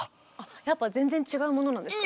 やっぱ全然違うものなんですか？